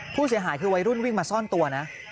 ผู้เสียหายคือวัยรุ่นวิ่งมาซ่อนตัวนะ